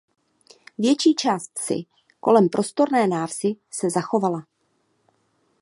Větší část vsi kolem prostorné návsi se zachovala.